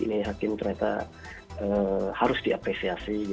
ini hakim ternyata harus diapresiasi